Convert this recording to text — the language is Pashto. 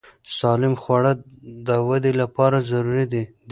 سالم خواړه د وده لپاره ضروري دي.